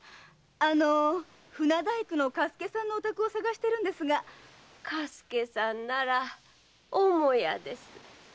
あの船大工の嘉助さんのお宅を探してるんですが。嘉助さんなら母屋です。